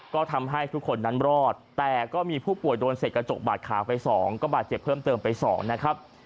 ก็ทำให้ทุกคนนั้นรอดแต่ก็มีผู้ป่วยโดนเสร็จกระจกบาดขางไป๒ก็บาดเจ็บเพิ่มเติมไป๒นะครับ